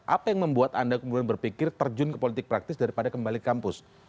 apa yang membuat anda kemudian berpikir terjun ke politik praktis daripada kembali kampus